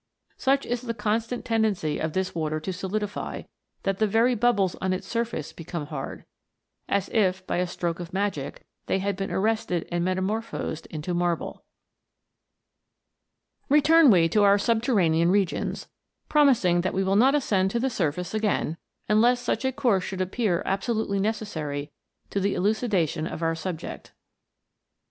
Such is the constant tendency of this water to solidify, that the very bubbles on its sur face become hard, as if, by a stroke of magic, they had been arrested and metamorphosed into marble. Return we to our subterranean regions, promising that Ave will not ascend to the surface again unless such a course should appear absolutely necessary to the elucidation of our subject.